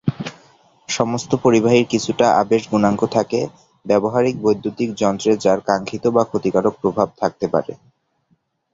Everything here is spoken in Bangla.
সমস্ত পরিবাহীর কিছুটা আবেশ গুণাঙ্ক থাকে, ব্যবহারিক বৈদ্যুতিক যন্ত্রে যার কাঙ্ক্ষিত বা ক্ষতিকারক প্রভাব থাকতে পারে।